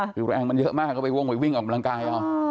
แข็งแรงมันเยอะมากก็ไปวิ่งออกไปลังกาย